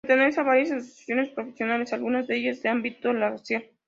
Pertenece a varias asociaciones profesionales, algunas de ellas de ámbito racial.